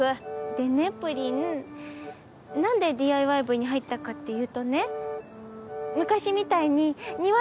でねぷりんなんでＤＩＹ部に入ったかっていうとね昔みたいに庭にベンチを。